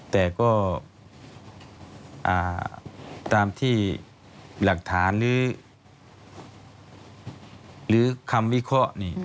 แต่ก็ตามที่หลักฐานหรือคำวิเคราะห์